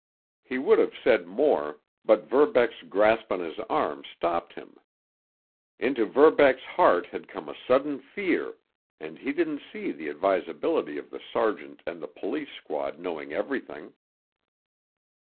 He would have said more, but Verbeck's grasp on his arm stopped him. Into Verbeck's heart had come a sudden fear, and he didn't see the advisability of the sergeant and the police squad knowing everything.